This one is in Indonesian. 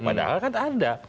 padahal kan ada